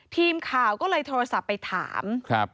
ทีมข่าวก็เลยโทรศัพท์ไปถาม